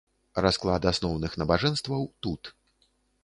Расклад асноўных набажэнстваў тут.